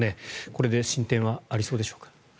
これで進展はありそうでしょうか。